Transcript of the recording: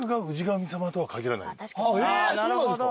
そうなんですか？